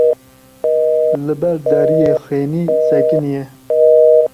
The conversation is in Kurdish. Li ber deriyê xênî sekiniye.